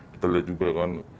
kita lihat juga kan